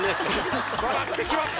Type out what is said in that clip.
笑ってしまった。